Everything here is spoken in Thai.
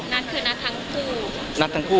นัดคือนัดทั้งคู่